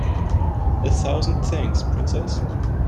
A thousand thanks, Princess.